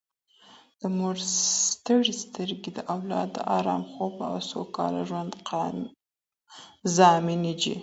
د مور ستړې سترګې د اولاد د ارام خوب او سوکاله ژوند ضامنې دي